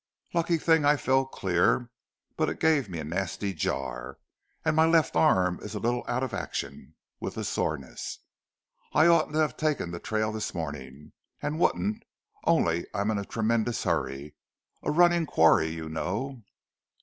Lucky thing I fell clear; but it gave me a nasty jar, and my left arm is a little out of action, with the soreness. I oughtn't to have taken the trail this morning, and wouldn't, only I'm in a tremendous hurry a running quarry you know."